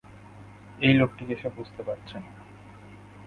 এই লোকটিকে সে বুঝতে পারছে না।